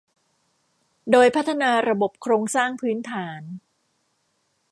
โดยพัฒนาระบบโครงสร้างพื้นฐาน